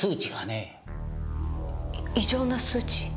異常な数値？